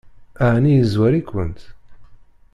Ɛni yezwar-ikent?